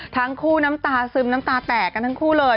น้ำตาซึมน้ำตาแตกกันทั้งคู่เลย